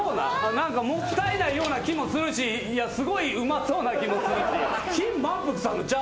何かもったいないような気もするしいやすごいうまそうな気もするし。